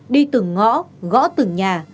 đi từng ngõ gõ từng nhà